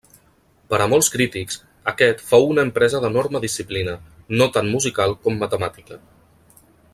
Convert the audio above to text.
Per a molts crítics, aquest fou una empresa d'enorme disciplina, no tant musical com matemàtica.